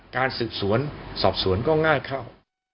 การสืบสวนสอบสวนก็ง่ายเข้า